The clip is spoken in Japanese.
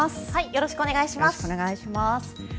よろしくお願いします。